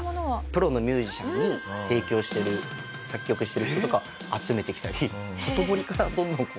プロのミュージシャンに提供してる作曲してる人とかを集めてきたり。